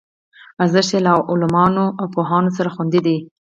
ارزښت یې له عالمانو او پوهانو سره خوندي دی.